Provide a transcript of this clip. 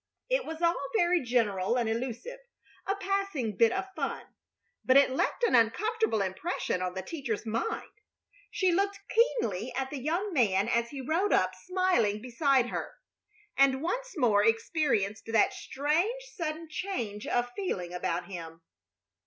It was all very general and elusive, a passing bit of fun, but it left an uncomfortable impression on the teacher's mind. She looked keenly at the young man as he rode up smiling beside her, and once more experienced that strange, sudden change of feeling about him.